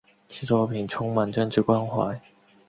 其作品充满政治关怀。